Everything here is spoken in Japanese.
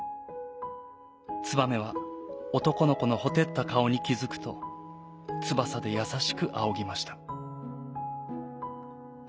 ツバメはおとこのこのほてったかおにきづくとつばさでやさしくあおぎました。